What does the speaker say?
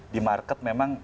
di market memang